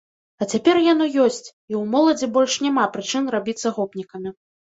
А цяпер яно ёсць, і ў моладзі больш няма прычын рабіцца гопнікамі.